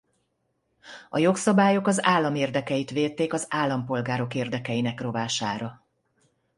A jogszabályok az állam érdekeit védték az állampolgárok érdekeinek rovására.